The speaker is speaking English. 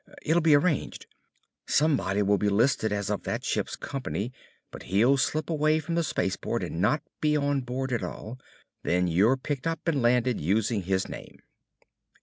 It'll be arranged. Somebody will be listed as of that ship's company, but he'll slip away from the space port and not be on board at all. Then you're picked up and landed using his name."